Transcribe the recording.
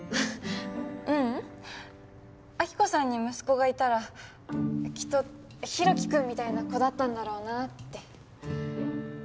ううん亜希子さんに息子がいたらきっと大樹君みたいな子だったんだろうなって